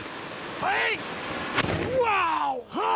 はい！